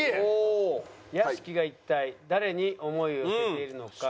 屋敷が一体誰に想いを寄せているのか？